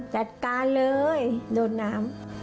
จัดการเลยโดนน้ำ